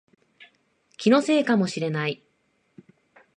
気のせいかもしれない